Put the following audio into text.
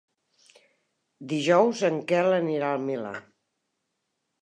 Dijous en Quel anirà al Milà.